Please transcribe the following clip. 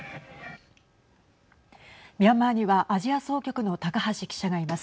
ミャンマーにはアジア総局の高橋記者がいます。